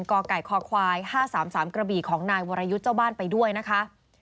กไก่คควาย๕๓๓กระบี่ของนายวรยุทธ์เจ้าบ้านไปด้วยนะคะ